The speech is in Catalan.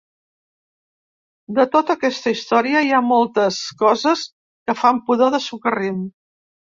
De tota aquesta història, hi ha moltes coses que fan pudor de socarrim.